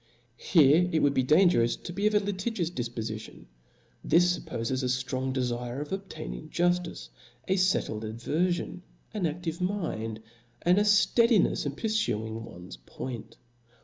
Here it would be dangerous to be of a litigi pus difpofition ; this fuppofes a ftrong defire of obtaining juftice, a fettled averfion, an aftivc mind, and a fteadinefs in purfuing one's point.